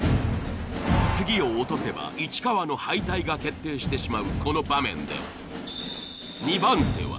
次を落とせば市川の敗退が決定してしまうこの場面で２番手は。